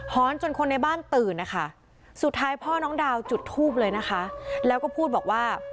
อนจนคนในบ้านตื่นนะคะสุดท้ายพ่อน้องดาวจุดทูบเลยนะคะแล้วก็พูดบอกว่า